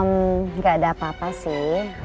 nggak ada apa apa sih